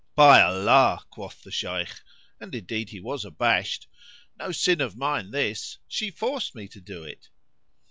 '" "By Allah," quoth the Shaykh (and indeed he was abashed), "no sin of mine this, she forced me to do it."